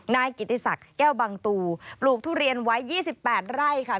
นายกิติศักดิ์แก้วบังตูปลูกทุเรียนไว้๒๘ไร่ค่ะ